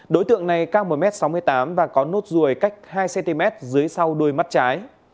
đối tượng này cao một m sáu mươi tám và có nốt ruồi cách hai cm dưới sau đuôi mắt trái